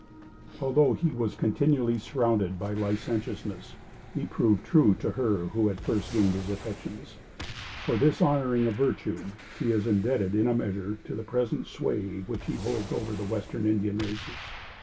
Although he was continually surrounded by licentiousness he proved true to her who had first gained his affections. For this honoring of virtue he is indebted in a measure to the present sway which he holds over the western Indian races.